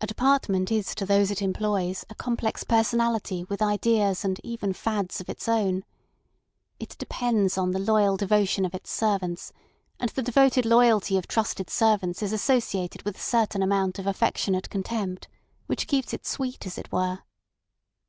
A department is to those it employs a complex personality with ideas and even fads of its own. It depends on the loyal devotion of its servants, and the devoted loyalty of trusted servants is associated with a certain amount of affectionate contempt, which keeps it sweet, as it were.